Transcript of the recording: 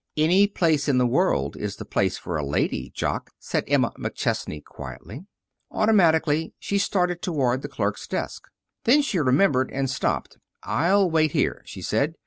"Any place in the world is the place for a lady, Jock," said Emma McChesney quietly. Automatically she started toward the clerk's desk. Then she remembered, and stopped. "I'll wait here," she said.